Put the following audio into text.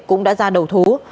cũng đã ra đầu thú